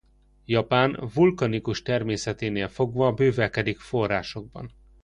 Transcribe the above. Japán vulkanikus természeténél fogva bővelkedik forrásokban.